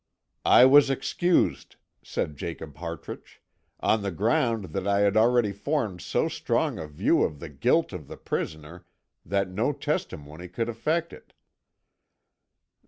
"I was excused," said Jacob Hartrich, "on the ground that I had already formed so strong a view of the guilt of the prisoner that no testimony could affect it."